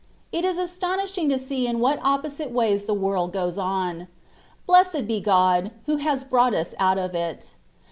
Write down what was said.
It is astonishing to see in what oppo site ways the world goes on. Blessed be God, who has brought us out of it.